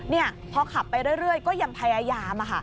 นี่พอขับไปเรื่อยก็ยังพยายามอะค่ะ